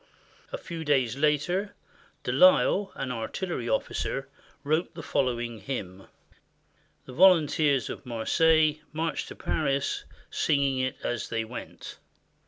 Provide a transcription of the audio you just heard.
A few days later, De Lisle, an artillery officer, wrote the following hymn. The volunteers of Marseilles marched to Paris singing it as they went.